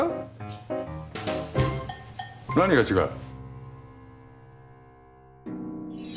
何が違う？